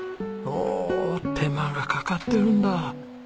おお手間がかかってるんだ。